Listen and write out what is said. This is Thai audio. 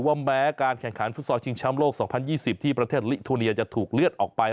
แม้การแข่งขันฟุตซอลชิงช้ำโลก๒๐๒๐ที่ประเทศลิโทเนียจะถูกเลื่อนออกไป